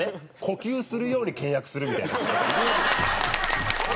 呼吸するように倹約するみたいなヤツが。